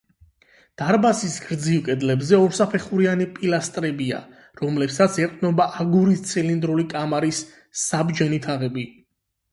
დარბაზის გრძივ კედლებზე ორსაფეხურიანი პილასტრებია, რომლებსაც ეყრდნობა აგურის ცილინდრული კამარის საბჯენი თაღები.